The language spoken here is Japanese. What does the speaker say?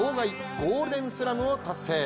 ゴールデンスラムを達成。